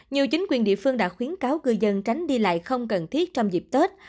nhiều chính quyền địa phương đã khuyến cáo cư dân tránh đi lại không cần thiết trong dịp tết